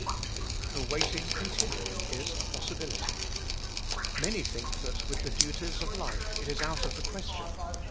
The waiting continually is a possibility Many think that with the duties of life it is out of the question.